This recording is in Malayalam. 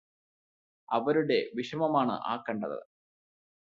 അവരുടെ വിഷമമാണ് ആ കണ്ടത്